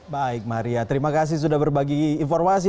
baik maria terima kasih sudah berbagi informasi